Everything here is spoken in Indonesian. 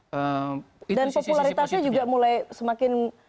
dan popularitasnya juga mulai semakin meningkat